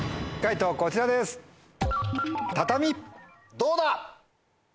どうだ？